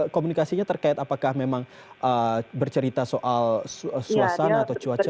komunikasinya terkait apakah memang bercerita soal suasana atau cuaca